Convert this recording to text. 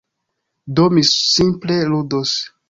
Do, mi simple ludos.